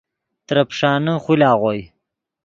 ترے پیݰانے خول آغوئے